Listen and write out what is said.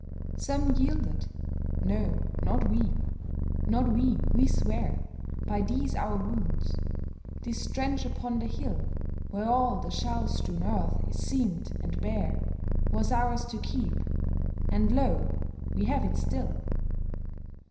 Some yielded, No, not we! Not we, we swear By these our wounds; this trench upon the hill Where all the shell strewn earth is seamed and bare, Was ours to keep; and lo! we have it still.